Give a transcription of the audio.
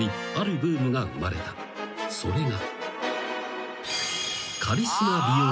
［それが］